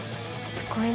すごいな。